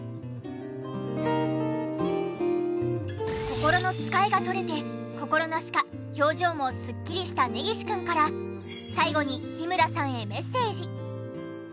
心のつかえが取れて心なしか表情もスッキリした根岸くんから最後に日村さんへメッセージ。